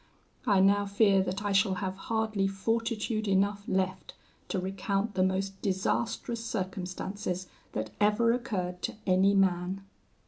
I now fear that I shall have hardly fortitude enough left to recount the most disastrous circumstances that ever occurred to any man.